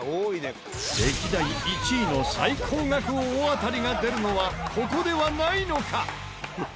歴代１位の最高額大当たりが出るのはここではないのか？